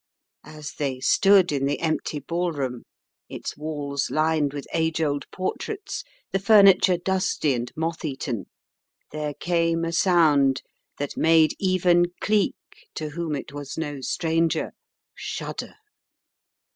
As they stood in the empty ballroom, its walls lined with age old portraits, the furniture dusty and moth eaten, there came a sound that made even Cleek, to whom it was no stranger, shudder.